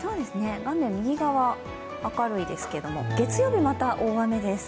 画面右側、明るいですけど月曜日、また大雨です。